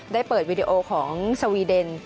ได้เปิดวีดีโอของสวีเดน